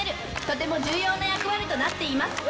とても重要な役割となっています。